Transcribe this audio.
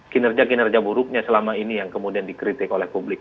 kinerja kinerja buruknya selama ini yang kemudian dikritik oleh publik